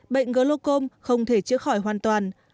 bệnh glocom không thể chữa khỏi hoàn toàn